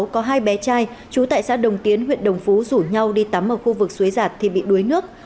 có hai bé trai chú tại xã đồng tiến huyện đồng phú rủ nhau đi tắm ở khu vực suối giạt thì bị đuối nước